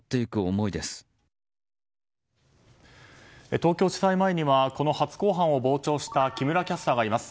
東京地裁前にはこの初公判を傍聴した木村キャスターがいます。